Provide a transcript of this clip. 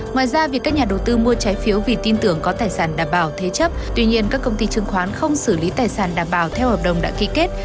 ngoài ra việc các nhà đầu tư mua trái phiếu vì tin tưởng có tài sản đảm bảo thế chấp tuy nhiên các công ty chứng khoán không xử lý tài sản đảm bảo theo hợp đồng đã ký kết